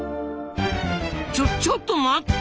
ちょちょっと待った！